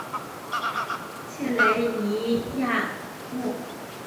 切雷尼亚诺。